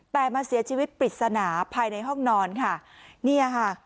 แต่มาเสียชีวิตปริศนาภายในห้องนอนค่ะเนี่ยค่ะ